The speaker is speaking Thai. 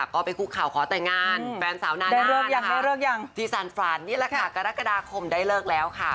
ก็ไปฟุกข่าวขอแต่งงานแฟนสาวณา